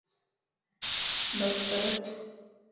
بس ڪرت